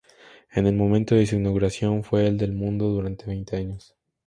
En el momento de su inauguración, fue el del mundo durante veinte años.